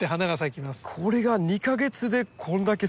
これが２か月でこれだけ背丈が出て。